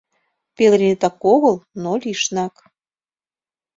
— Пеленетак огыл, но лишнак.